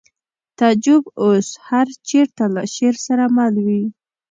تعجب اوس هر چېرته له شعر سره مل وي